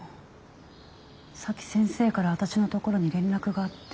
さっき先生から私のところに連絡があって。